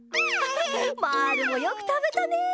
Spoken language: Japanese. まぁるもよくたべたね。